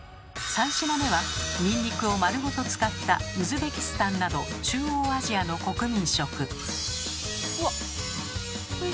３品目はニンニクを丸ごと使ったウズベキスタンなど中央アジアの国民食。